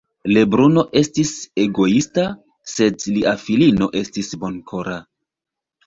Lebruno estis egoista, sed lia filino estis bonkora.